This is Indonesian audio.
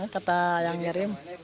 kata yang kirim